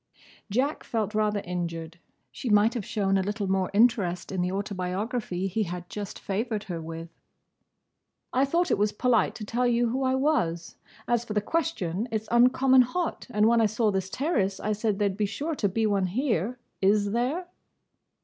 Jack felt rather injured. She might have shown a little more interest in the autobiography he had just favoured her with. "I thought it was polite to tell you who I was. As for the question: it 's uncommon hot, and when I saw this terrace I said there 'd be sure to be one here. Is there?"